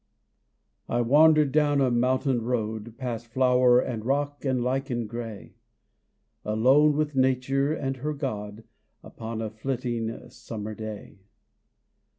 I wandered down a mountain road, Past flower and rock and lichen gray, Alone with nature and her God Upon a flitting summer day.